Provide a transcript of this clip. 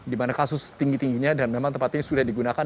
di mana kasus tinggi tingginya dan memang tempat ini sudah digunakan